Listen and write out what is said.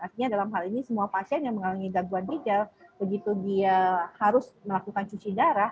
artinya dalam hal ini semua pasien yang mengalami gangguan gejala begitu dia harus melakukan cuci darah